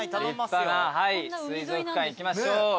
はい水族館行きましょう。